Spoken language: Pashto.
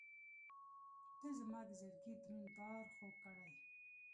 • ته زما د زړګي دروند بار خوږ کړې.